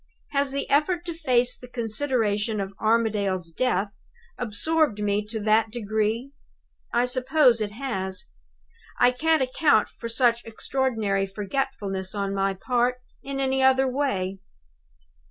Has the effort to face the consideration of Armadale's death absorbed me to that degree? I suppose it has. I can't account for such extraordinary forgetfulness on my part in any other way.